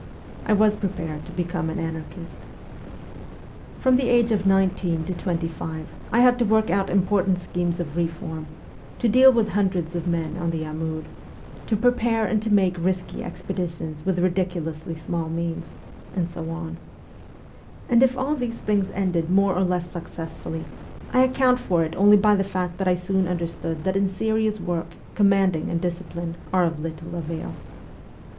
I was prepared to become an anarchist. From the age of nineteen to twenty five I had to work out important schemes of reform, to deal with hundreds of men on the Amur, to prepare and to make risky expeditions with ridiculously small means, and so on ; and if all these things ended more or less success fully, I account for it only by the fact that I soon under stood that in serious work commanding and discipline are of little avail.